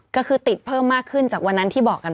ก็คือติดเพิ่มมากขึ้นจากวันนั้นที่บอกกัน